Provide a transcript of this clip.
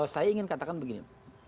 saya ingin katakan begini